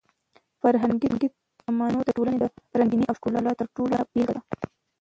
فرهنګي تنوع د ټولنې د رنګینۍ او د ښکلا تر ټولو غوره بېلګه ده.